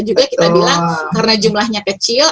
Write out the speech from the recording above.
juga kita bilang karena jumlahnya kecil